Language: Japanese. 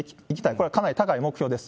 これはかなり高い目標です。